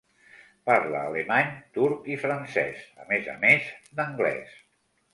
Parla alemany, turc i francès, a més a més d'anglès.